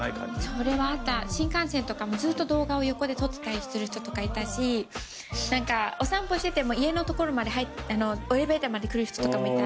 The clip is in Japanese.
それはあった新幹線とかもずっと動画を横で撮ってたりする人とかいたしお散歩してても家のエレベーターまで来る人とかもいた。